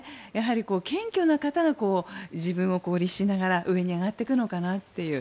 謙虚な方が自分を律しながら上に上がっていくのかなという。